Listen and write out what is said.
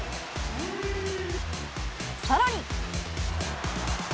さらに。